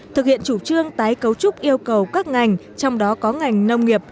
thực hiện chủ trương tái cấu trúc yêu cầu các ngành trong đó có ngành nông nghiệp